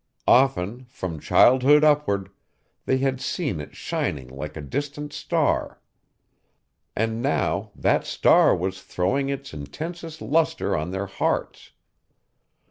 Often, from childhood upward, they had seen it shining like a distant star. And now that star was throwing its intensest lustre on their hearts.